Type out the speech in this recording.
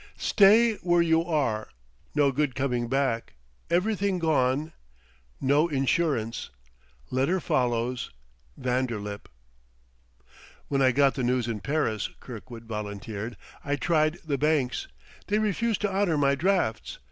Stay where you are no good coming back everything gone no insurance letter follows vanderlip_." "When I got the news in Paris," Kirkwood volunteered, "I tried the banks; they refused to honor my drafts.